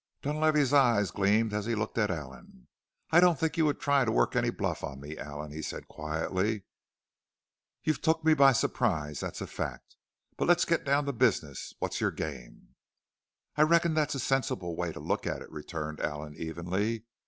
Dunlavey's eyes gleamed as he looked at Allen. "I don't think you would try to work any bluff on me, Allen," he said quietly. "You've took me by surprise, that's a fact. But let's get down to business. What's your game?" "I reckon that's a sensible way to look at it," returned Allen evenly.